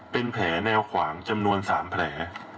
เป็นแผลแนวขวางจำนวน๓แผล